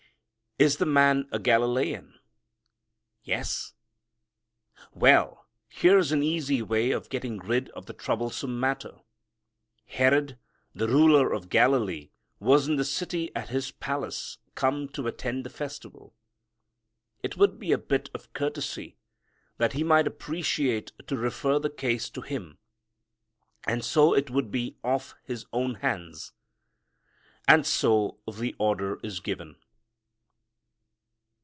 "Is the man a Galilean?" "Yes." Well, here's an easy way of getting rid of the troublesome matter. Herod, the ruler of Galilee, was in the city at his palace, come to attend the festival. It would be a bit of courtesy that he might appreciate to refer the case to him, and so it would be off his own hands. And so the order is given.